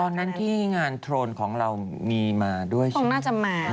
ตอนนั้นที่งานโทรนของเรามีมาด้วยคงน่าจะมา